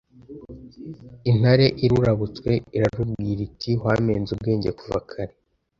Intare irurabutswe, irarubwira iti wampenze ubwenge kare